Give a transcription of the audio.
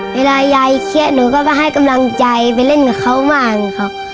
ยายเครียดหนูก็ไปให้กำลังใจไปเล่นกับเขาบ้างครับ